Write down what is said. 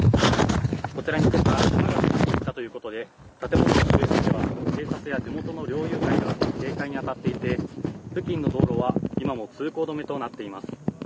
こちらに今朝熊が入ったということで建物の周辺では警察や地元の猟友会が警戒に当たっていて付近の道路は今も通行止めとなっています。